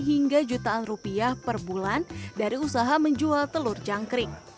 hingga jutaan rupiah per bulan dari usaha menjual telur jangkring